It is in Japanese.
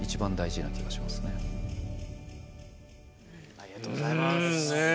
ありがとうございます。